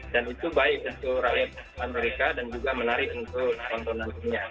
dan itu baik untuk rakyat amerika dan juga menarik untuk kontonansinya